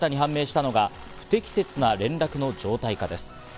新たに判明したのが不適切な連絡の常態化です。